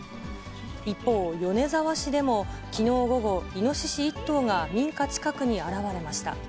一方、米沢市でも、きのう午後、イノシシ１頭が民家近くに現れました。